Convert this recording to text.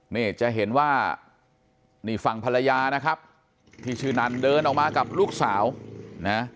นี่จะเห็นว่านี่ฝั่งภรรยานะครับที่ชื่อนันเดินออกมากับลูกสาวนะ